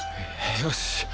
よし！